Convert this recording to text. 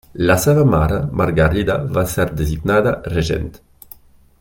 La seva mare Margarida va ser designada regent.